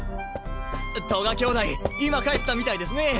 戸賀兄弟今帰ったみたいですね！